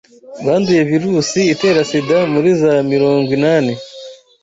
banduye virusi itera sida muri za mirongwinani